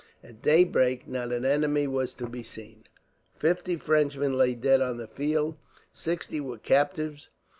At daybreak, not an enemy was to be seen. Fifty Frenchmen lay dead on the field, and sixty were captives.